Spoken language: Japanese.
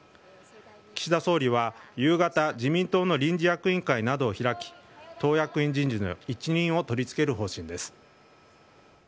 岸田総理は夕方、自民党の臨時役員会などを開き、党役員人事の一任を取り付ける方針です。